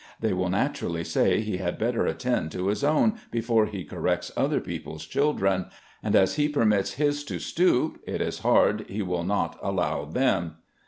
They will naturally say he had better attend to his own before he corrects other people's children, and as he permits his to stoop it is hard he will not allow them.